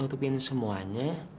aku masih bisa nutupin semuanya